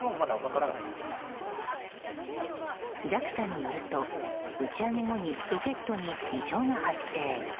ＪＡＸＡによると打ち上げ後にロケットに異常が発生。